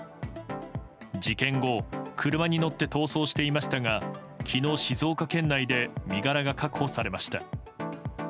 事件後車に乗って逃走していましたが昨日、静岡県内で身柄が確保されました。